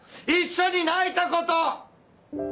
一緒に泣いたこと！